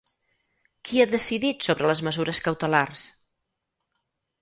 Qui ha decidit sobre les mesures cautelars?